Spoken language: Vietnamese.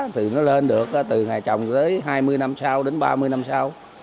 thì nó lên được từ ngày trồng dưới hai mươi năm sau đến ba mươi năm sau